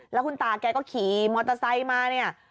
แล้วคุณตาแกก็ขี่มอเตอร์ไซค์มาเนี่ย